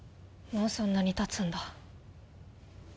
もうそんなにたつんだ。